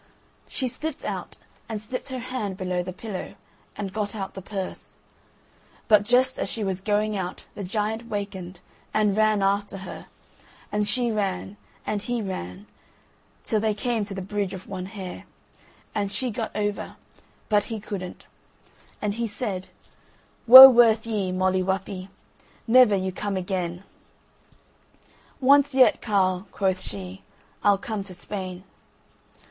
She slipped out, and slipped her hand below the pillow, and got out the purse; but just as she was going out the giant wakened, and ran after her; and she ran, and he ran, till they came to the "Bridge of one hair," and she got over, but he couldn't, and he said, "Woe worth ye, Molly Whuppie! never you come again." "Once yet, carle," quoth she, "I'll come to Spain."